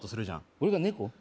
俺が猫？